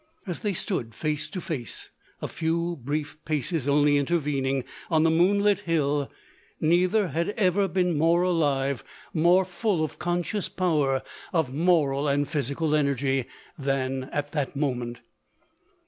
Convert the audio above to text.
As they stood face to face — a few brief paces only intervening — on the moon lit hill — neither had ever been more alive, more full of 270 LODORE. conscious power, of moral and physical energy, than at that moment.